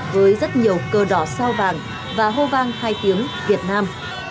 với rất nhiều cờ đỏ sao vàng và hô vang hai tiếng việt nam